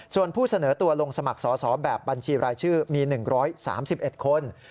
ส่วนผู้เสนอตัวลงสมัครสอสอแบบบัญชีรายชื่อมี๑๓๑คน